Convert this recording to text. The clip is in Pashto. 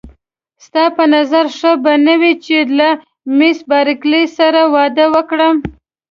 ستا په نظر ښه به نه وي چې له مېس بارکلي سره واده وکړم.